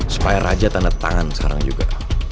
supaya raja tanda tangan sekarang juga